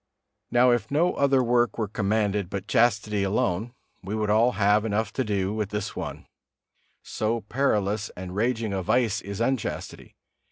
Now, if no other work were commanded but chastity alone, we would all have enough to do with this one; so perilous and raging a vice is unchastity.